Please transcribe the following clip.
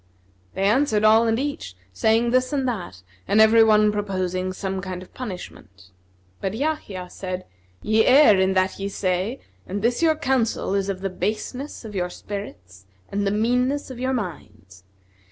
They answered all and each, saying this and that, and every one proposing some kind of punishment; but Yahya said, "Ye err in that ye say and this your counsel is of the baseness of your spirits and the meanness of your minds.